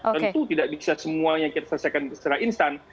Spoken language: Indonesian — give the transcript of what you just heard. tentu tidak bisa semuanya kita selesaikan secara instan